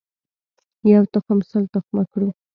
یو تخم سل تخمه کړو.